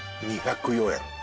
２０４円